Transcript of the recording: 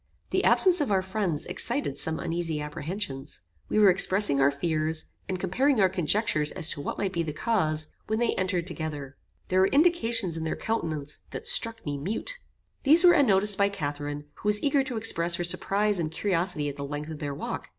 The absence of our friends excited some uneasy apprehensions. We were expressing our fears, and comparing our conjectures as to what might be the cause, when they entered together. There were indications in their countenances that struck me mute. These were unnoticed by Catharine, who was eager to express her surprize and curiosity at the length of their walk.